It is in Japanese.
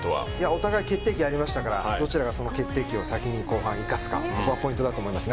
お互い決定機がありましたからどちらが、その決定機を先に後半、生かすかがポイントだと思います。